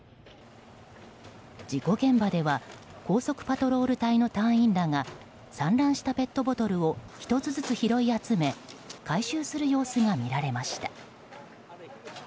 事故現場では高速パトロール隊の隊員らが散乱したペットボトルを１つずつ拾い集め回収する様子が見られました。